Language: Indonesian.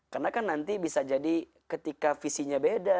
karena kan nanti bisa jadi ketika visinya beda